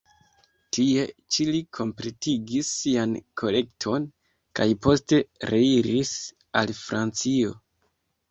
Tie ĉi li kompletigis sian kolekton kaj poste reiris al Francio.